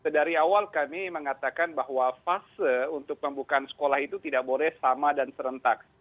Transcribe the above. dari awal kami mengatakan bahwa fase untuk pembukaan sekolah itu tidak boleh sama dan serentak